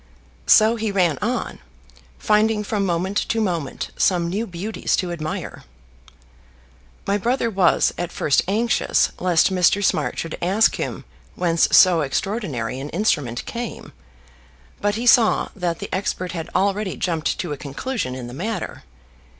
So he ran on, finding from moment to moment some new beauties to admire. My brother was at first anxious lest Mr. Smart should ask him whence so extraordinary an instrument came, but he saw that the expert had already jumped to a conclusion in the matter.